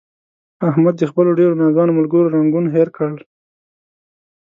احمد د خپلو ډېرو ناځوانه ملګرو رنګون هیر کړل.